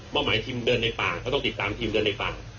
หมายทีมเดินในป่าก็ต้องติดตามทีมเดินในฝั่ง